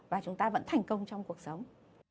và chúng ta vẫn thành công trong cuộc sống